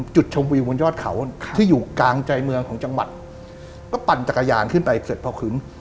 จุดชมวิวบนยอดเขาที่อยู่กลางใจเมืองของจังหวัดก็ปั่นจักรยานขึ้นไปเสร็จพอขึง